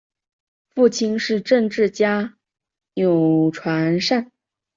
父亲是政治家钮传善。